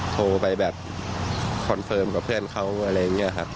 โทรไปแบบคอนเฟิร์มกับเพื่อนเขาอะไรอย่างนี้ครับ